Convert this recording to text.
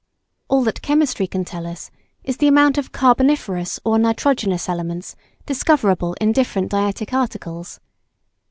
All that chemistry can tell us is the amount of "carboniferous" or "nitrogenous" elements discoverable in different dietetic articles.